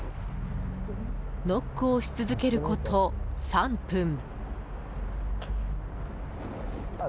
ノックをし続けること３分。